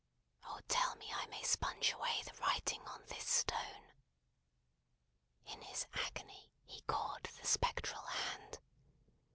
Oh, tell me I may sponge away the writing on this stone!" In his agony, he caught the spectral hand.